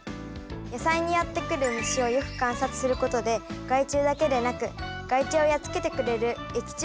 野菜にやって来る虫をよく観察することで害虫だけでなく害虫をやっつけてくれる益虫がいることも知りました。